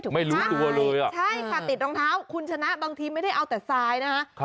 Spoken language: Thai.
ถูกไหมคะใช่ค่ะติดรองเท้าคุณชนะบางทีไม่ได้เอาแต่ทรายนะฮะ